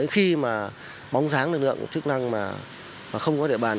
khi mà bóng dáng lực lượng chức năng mà không có địa bàn